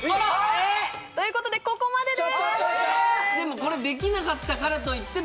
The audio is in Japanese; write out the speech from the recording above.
・え！？ということでここまでです・